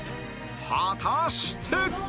果たして